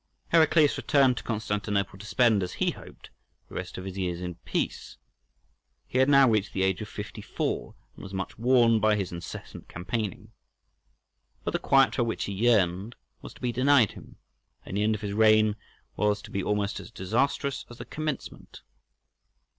Heraclius returned to Constantinople to spend, as he hoped, the rest of his years in peace. He had now reached the age of fifty four, and was much worn by his incessant campaigning. But the quiet for which he yearned was to be denied him, and the end of his reign was to be almost as disastrous as the commencement.